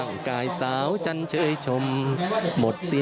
และก็มีการกินยาละลายริ่มเลือดแล้วก็ยาละลายขายมันมาเลยตลอดครับ